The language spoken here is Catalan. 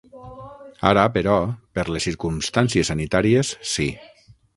Ara, però, per les circumstàncies sanitàries sí.